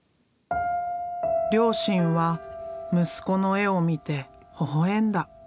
両親は息子の絵を見てほほ笑んだ。